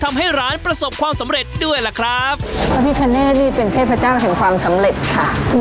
ทำให้ร้านประสบความสำเร็จด้วยล่ะครับพระพิคเนตนี่เป็นเทพเจ้าแห่งความสำเร็จค่ะ